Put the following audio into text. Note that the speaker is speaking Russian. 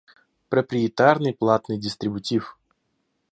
Проприетарный платный дистрибутив